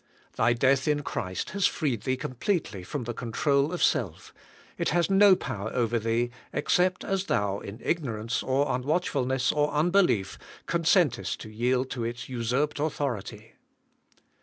Thy death in Christ has freed thee completely from the control of self: it has no power over thee, except as thou, in ignorance, or nnwatchfulness, or nnbelief, consentest to yield to its usurped authority.